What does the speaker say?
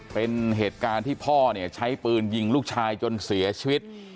เป็นเหตุการณ์ที่พ่อเนี่ยใช้ปืนยิงลูกชายจนเสียชีวิต